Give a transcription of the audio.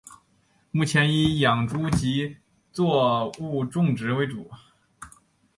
目前以养猪及作物种植为主。